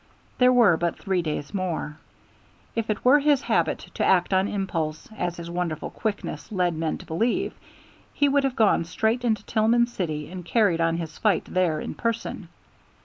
There were but three days more. If it were his habit to act on impulse, as his wonderful quickness led men to believe, he would have gone straight to Tillman City, and carried on his fight there in person.